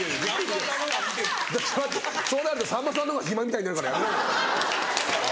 そうなるとさんまさんの方が暇みたいになるからやめろよ。